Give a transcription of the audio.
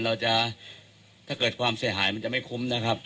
เราจะถ้าเกิดความเสียหายมันจะไม่คุ้มนะครับ